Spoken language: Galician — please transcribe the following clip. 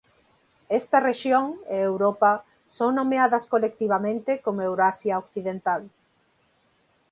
Esta rexión e Europa son nomeadas colectivamente como Eurasia Occidental.